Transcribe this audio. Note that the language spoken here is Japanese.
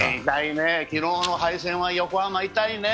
昨日の敗戦は横浜痛いね。